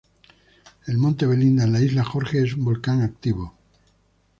El monte Belinda en la isla Jorge es un volcán activo.